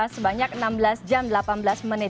sebanyak enam belas jam delapan belas menit